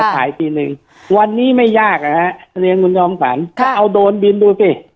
ฝ่ายปีหนึ่งวันนี้ไม่ยากนะฮะเดี๋ยวคุณยอมฝันค่ะถ้าเอาโดรนบิลดูสิ